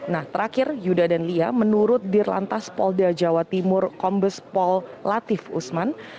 nah terakhir yuda dan lia menurut dirlantas polda jawa timur kombes pol latif usman